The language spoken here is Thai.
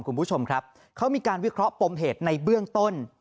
คุณผู้ชมครับเขามีการวิเคราะห์ปมเหตุในเบื้องต้น